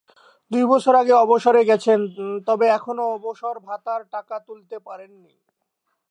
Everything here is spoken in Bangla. দুই বছর আগে অবসরে গেছেন, তবে এখনো অবসর ভাতার টাকা তুলতে পারেননি।